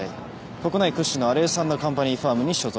国内屈指のアレース＆カンパニーファームに所属。